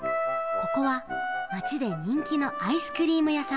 ここはまちでにんきのアイスクリームやさん